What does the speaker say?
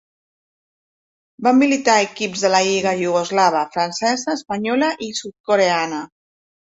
Va militar a equips de la lliga iugoslava, francesa, espanyola i sud-coreana.